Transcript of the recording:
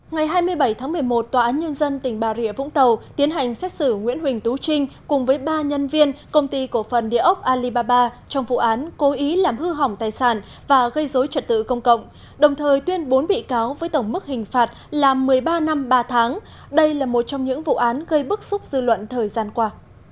ngày hai mươi bảy tháng một mươi một tòa án nhân dân tỉnh bà rịa vũng tàu tiến hành xét xử nguyễn huỳnh tú trinh cùng với ba nhân viên công ty cổ phần địa ốc alibaba trong vụ án cố ý làm hư hỏng tài sản và gây dối trật tự công cộng đồng thời tuyên bốn bị cáo với tổng mức hình phạt là một mươi ba năm ba tháng đây là một trong những vụ án gây bức xúc dư luận thời gian qua